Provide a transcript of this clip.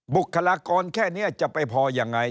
บุคลากรแค่นี้จะไปพอยังไง